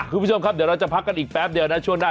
คุณผู้ชมครับเดี๋ยวเราจะพักกันอีกแป๊บเดียวนะช่วงหน้า